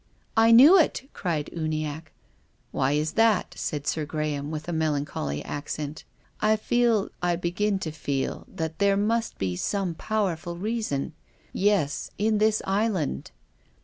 " I knew it," cried Uniacke. " Why is that ?" said Sir Graham, with a melan choly accent. " I feel, I begin to feel that there must be some powerful reason — yes, in this island."